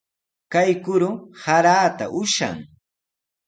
Kay kuru saraata ushan.